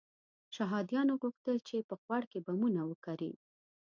شهادیانو غوښتل چې په خوړ کې بمونه وکري.